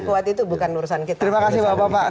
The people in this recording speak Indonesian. kita akan lihat ke depan